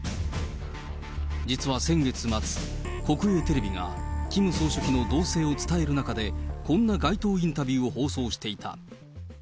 実は先月末、国営テレビがキム総書記の動静を伝える中で、こんな街頭インタビューを放送していた。